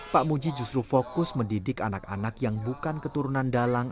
pak muji justru fokus mendidik anak anak yang bukan keturunan dalang